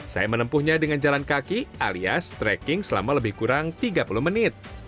saya menempuhnya dengan jalan kaki alias trekking selama lebih kurang tiga puluh menit